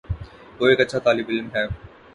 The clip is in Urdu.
وہ ایک اچھا طالب علم ہے